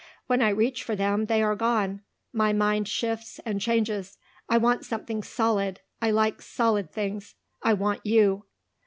When I reach for them they are gone. My mind shifts and changes. I want something solid. I like solid things. I want you."